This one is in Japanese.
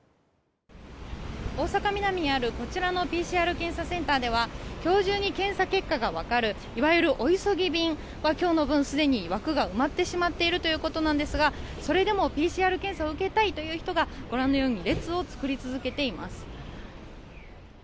大阪南にあるこちらのＰＣＲ検査センターでは今日中に検査結果が分かるいわゆるお急ぎ便は今日の分、すでに枠が埋まってしまっているということですがそれでもＰＣＲ検査を受けたいという人がご覧のように列を作り続けています。